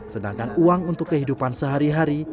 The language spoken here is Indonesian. sedangkan uang untuk kehidupan sehari hari